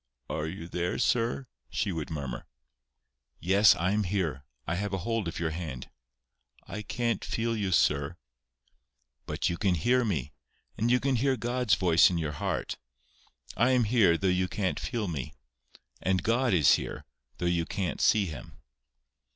"Are you there, sir?" she would murmur. "Yes, I am here. I have a hold of your hand." "I can't feel you, sir." "But you can hear me. And you can hear God's voice in your heart. I am here, though you can't feel me. And God is here, though you can't see Him."